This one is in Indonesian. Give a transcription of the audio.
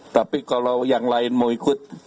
tapi kalau yang lain mau ikut